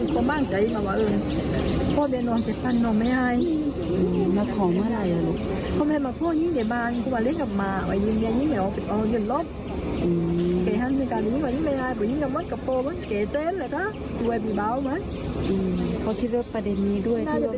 คิดว่าประเด็นนี้ด้วยคิดว่าประเด็นนี้ด้วย